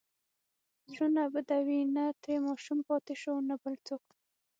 زړونه بدوي، نه ترې ماشوم پاتې شو، نه بل څوک.